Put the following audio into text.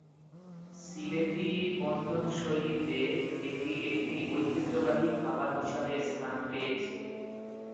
সিলেটি রন্ধনশৈলীতে এটি একটি ঐতিহ্যবাহী খাবার হিসেবে স্থান পেয়েছে।